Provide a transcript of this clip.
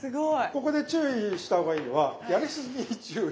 ここで注意した方がいいのはやりすぎに注意。